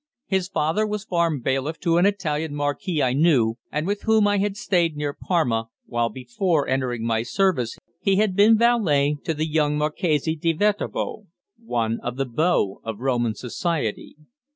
His father was farm bailiff to an Italian marquis I knew, and with whom I had stayed near Parma, while before entering my service he had been valet to the young Marchese di Viterbo, one of the beaux of Roman society.